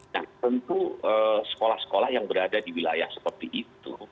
nah tentu sekolah sekolah yang berada di wilayah sekolah